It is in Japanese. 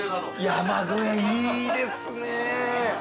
山小屋いいですね。